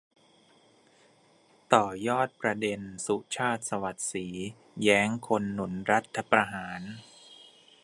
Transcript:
ต่อยอดประเด็น สุชาติ สวัสดิ์ศรี แย้งคนหนุนรัฐประหาร